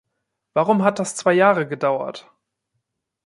Warum hat das zwei Jahre gedauert?